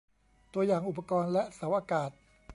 ตัวอย่างอุปกรณ์และเสาอากาศ